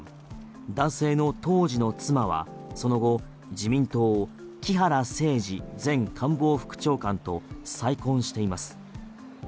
男性の当時の妻は、その後自民党、木原誠二前官房副長官と再婚しています。